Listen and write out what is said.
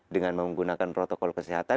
dengan menggunakan protokol kesehatan